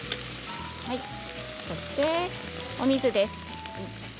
そして、お水です。